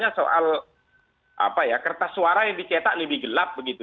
nah misalnya soal apa ya kertas suara yang dicetak lebih gelap begitu